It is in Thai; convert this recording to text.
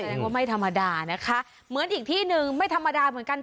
แสดงว่าไม่ธรรมดานะคะเหมือนอีกที่หนึ่งไม่ธรรมดาเหมือนกัน